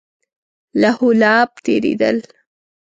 لهو لعب تېرېدل.